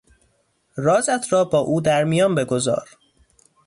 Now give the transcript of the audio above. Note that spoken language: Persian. رازت را با او در میان بگذار.